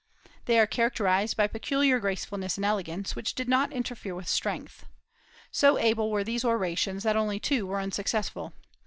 They are characterized by peculiar gracefulness and elegance, which did not interfere with strength. So able were these orations that only two were unsuccessful.